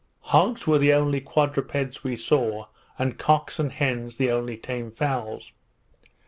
Hogs were the only quadrupeds we saw; and cocks and hens the only tame fowls.